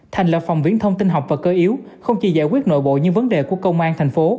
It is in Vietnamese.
thành lập phòng viễn thông tin học và cơ yếu không chỉ giải quyết nội bộ những vấn đề của công an thành phố